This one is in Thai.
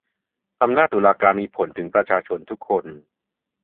อำนาจตุลาการมีผลถึงประชาชนทุกคน